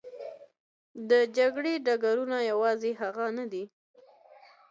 د جګړې ډګرونه یوازې هغه نه دي.